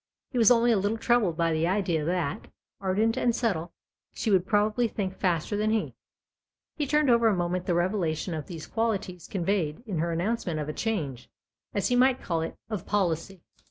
He was only a little troubled by the idea that, ardent and subtle, she would probably think faster than he. He turned over a moment the revelation of these qualities conveyed in her announcement of a change, as he might call it, of policy.